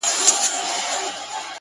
o خو ذهن نه هېرېږي هېڅکله تل,